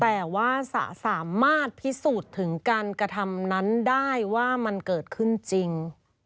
แต่ว่าจะสามารถพิสูจน์ถึงการกระทำนั้นได้ว่ามันเกิดขึ้นจริง